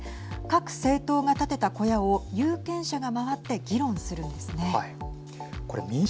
各政党が建てた小屋を有権者が回って議論するんですね。